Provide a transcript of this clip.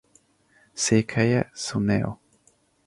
Székhelye Cuneo.